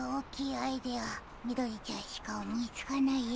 アイデアみどりちゃんしかおもいつかないや。